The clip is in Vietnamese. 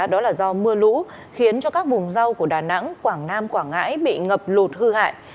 đó là do mưa lũ khiến cho các vùng rau của đà nẵng quảng nam quảng ngãi bị ngập lụt hư hại